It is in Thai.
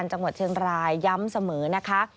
สวัสดีค่ะสวัสดีค่ะ